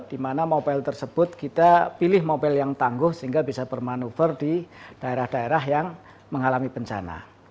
di mana mobile tersebut kita pilih mobile yang tangguh sehingga bisa bermanuver di daerah daerah yang mengalami bencana